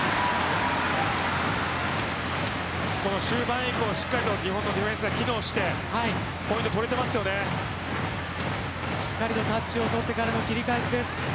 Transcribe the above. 終盤以降しっかりと日本のディフェンスが機能してしっかりとタッチを取ってからの切り返しです。